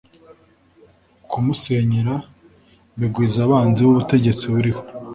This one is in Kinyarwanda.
Kumusenyera bigwiza abanzi b’ubutegetsi buriho